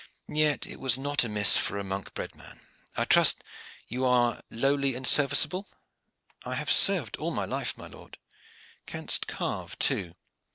"Yet it is not amiss for a monk bred man. I trust that you are lowly and serviceable?" "I have served all my life, my lord." "Canst carve too?"